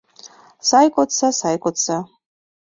Сай кодса, сай кодса!